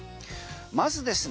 まずですね